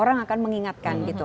orang akan mengingatkan gitu